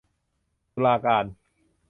ตุลาการ